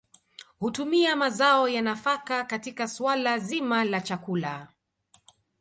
Hutumia mazao ya nafaka katika suala zima la chakula